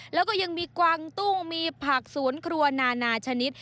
แล้วก็ยังมีกวางตุ้งมีผักสวนครัวนานาชนิด